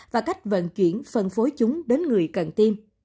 và cách vận chuyển phân phối chúng đến người cần tiêm